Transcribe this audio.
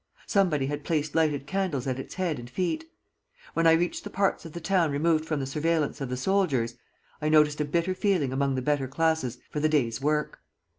Somebody had placed lighted candles at its head and feet. When I reached the parts of the town removed from the surveillance of the soldiers, I noticed a bitter feeling among the better classes for the day's work.